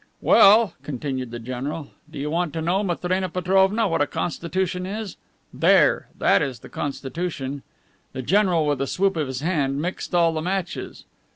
"Well," continued the general, "do you want to know, Matrena Petrovna, what a constitution is? There! That is the Constitution." The general, with a swoop of his hand, mixed all the matches.